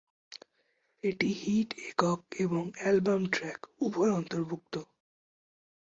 এটি হিট একক এবং অ্যালবাম ট্র্যাক উভয় অন্তর্ভুক্ত।